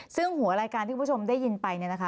ซึ่งหัวรายการที่คุณผู้ชมได้ยินไป